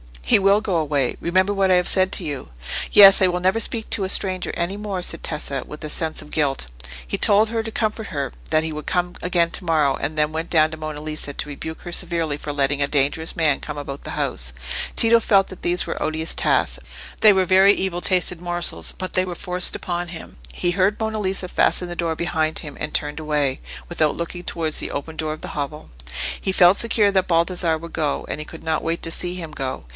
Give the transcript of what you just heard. "He will go away. Remember what I have said to you." "Yes; I will never speak to a stranger any more," said Tessa, with a sense of guilt. He told her, to comfort her, that he would come again to morrow; and then went down to Monna Lisa to rebuke her severely for letting a dangerous man come about the house. Tito felt that these were odious tasks; they were very evil tasted morsels, but they were forced upon him. He heard Monna Lisa fasten the door behind him, and turned away, without looking towards the open door of the hovel. He felt secure that Baldassarre would go, and he could not wait to see him go.